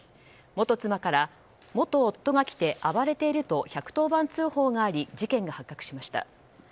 元妻から元夫が来て暴れていると１１０番通報があり事件が発覚しました。